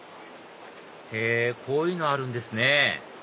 へぇこういうのあるんですね